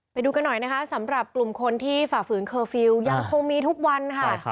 ไปดูกันหน่อยนะคะสำหรับกลุ่มคนที่ฝ่าฝืนเคอร์ฟิลล์ยังคงมีทุกวันค่ะ